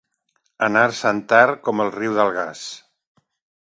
Anar-se'n tard com el riu d'Algars.